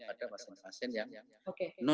pada pasien pasien yang tidak bisa